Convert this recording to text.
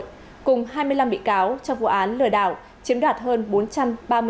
cùng hai mươi năm bị cáo trong vụ án lừa đảo chiếm đoạt hơn bốn trăm ba mươi